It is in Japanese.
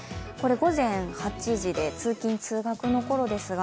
午前８時で、通勤・通学のころですが